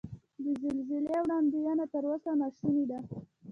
د زلزلې وړاندوینه تر اوسه نا شونې ده.